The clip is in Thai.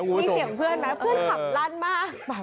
มีเสียงเพื่อนมั้ยเพื่อนขำรันมาก